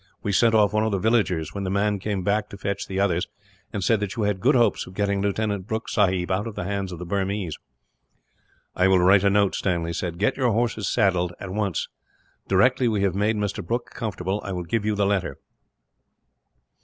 We sent off one of the villagers, when the man came back to fetch the others, and said that you had good hopes of getting Lieutenant Brooke sahib out of the hands of the Burmese." "I will write a note," Stanley said. "Get your horse saddled, at once. Directly we have made Mr. Brooke comfortable, I will give you the letter."